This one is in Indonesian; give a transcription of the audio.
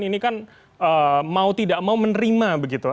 ini kan mau tidak mau menerima begitu